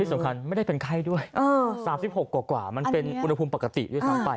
สำคัญไม่ได้เป็นไข้ด้วย๓๖กว่ามันเป็นอุณหภูมิปกติด้วยซ้ำไป